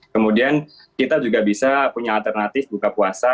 kemudian kita juga bisa punya alternatif buka puasa